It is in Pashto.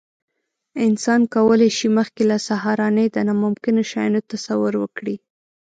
انسان کولی شي، مخکې له سهارنۍ د ناممکنو شیانو تصور وکړي.